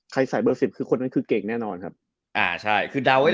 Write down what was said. ใครใส่เบอร์๑๐คนนั้นคือเก่งแน่นอนครับ